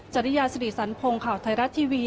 จริยาสิริสันพงศ์ข่าวไทยรัฐทีวี